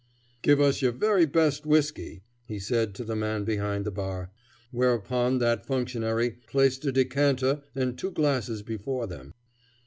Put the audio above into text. "Give us your very best whisky," he said to the man behind the bar; whereupon that functionary placed a decanter and two glasses before them.